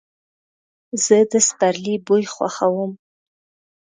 زه د سپرلي بوی خوښوم.